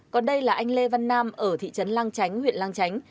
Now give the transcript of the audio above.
còn đây là anh lê văn nam ở thị trấn lang chánh huyện lang chánh